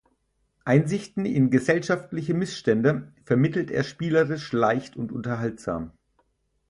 Einsichten in gesellschaftliche Missstände vermittelt er spielerisch leicht und unterhaltsam.